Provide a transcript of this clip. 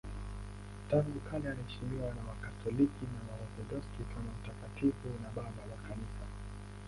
Tangu kale anaheshimiwa na Wakatoliki na Waorthodoksi kama mtakatifu na Baba wa Kanisa.